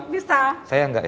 bu mak saya enggak ya